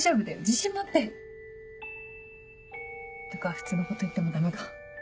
自信持って！とか普通のこと言ってもダメか。